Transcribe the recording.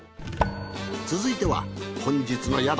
続いては本日の宿